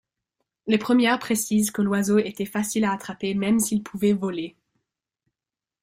Les premières précisent que l'oiseau était facile à attraper même s'il pouvait voler.